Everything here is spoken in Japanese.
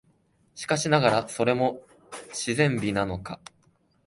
しかしながら、それも自然美なのか、